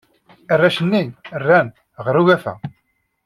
Arrac-nni rran ɣer ugafa.